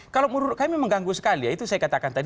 kalau menurut kami mengganggu sekali ya itu saya katakan tadi